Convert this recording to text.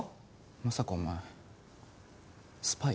まさかお前スパイ？